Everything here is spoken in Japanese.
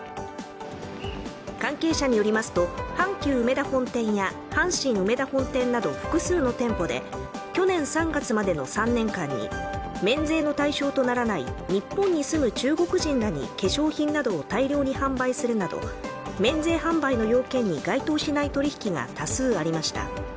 関係者によりますと阪急うめだ本店や阪神うめだ本店など複数の店舗で去年３月までの３年間に免税の対象とならない日本に住む中国人らに化粧品などを大量に販売するなど、免税販売の要件に該当しない取り引きが多数ありました。